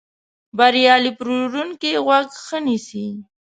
بریالی پلورونکی غوږ ښه نیسي.